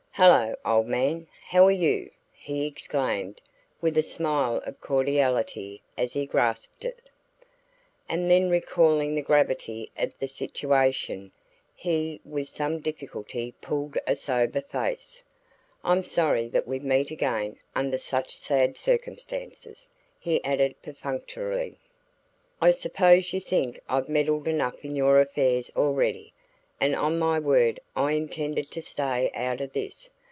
"Hello, old man! How are you?" he exclaimed with a smile of cordiality as he grasped it. And then recalling the gravity of the situation, he with some difficulty pulled a sober face. "I'm sorry that we meet again under such sad circumstances," he added perfunctorily. "I suppose you think I've meddled enough in your affairs already; and on my word, I intended to stay out of this.